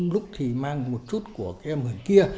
lúc thì mang một chút của cái âm hưởng kia